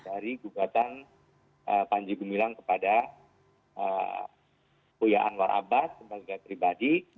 dari gugatan panji gumilang kepada huyahan warabat sebagai pribadi